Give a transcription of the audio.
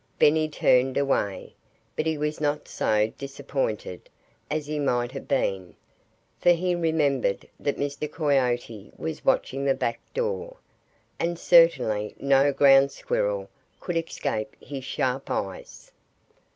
Benny turned away. But he was not so disappointed as he might have been, for he remembered that Mr. Coyote was watching the back door. And certainly no Ground Squirrel could escape his sharp eyes.